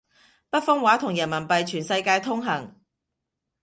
北方話同人民幣全世界通行